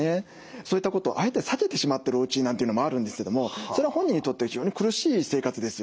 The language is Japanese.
そういったことをあえて避けてしまってるおうちなんていうのもあるんですけどもそれは本人にとっては非常に苦しい生活ですよね。